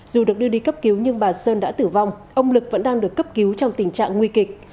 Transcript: dù được đưa đi cấp cứu nhưng bà sơn đã tử vong ông lực vẫn đang được cấp cứu trong tình trạng nguy kịch